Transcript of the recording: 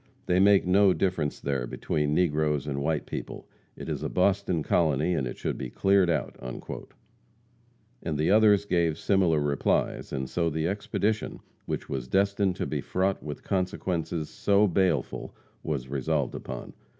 They make no difference there between negroes and white people. It is a Boston colony, and it should be cleared out." And the others gave similar replies, and so the expedition, which was destined to be fraught with consequences so baleful, was resolved upon.